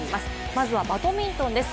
まずはバドミントンです。